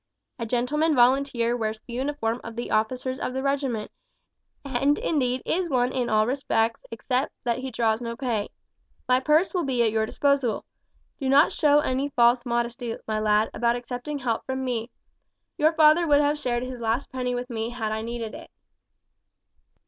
A gentleman volunteer wears the uniform of the officers of the regiment, and indeed is one in all respects except that he draws no pay. My purse will be at your disposal. Do not show any false modesty, my lad, about accepting help from me. Your father would have shared his last penny with me had I needed it."